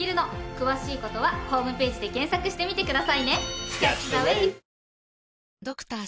詳しい事はホームページで検索してみてくださいね。